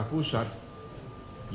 yang melakukan penanganan bencana di sana